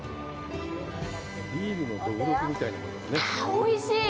おいしい！